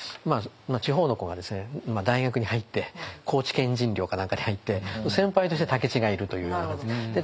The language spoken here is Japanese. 地方の子が大学に入って高知県人寮か何かに入って先輩として武市がいるというようなことで。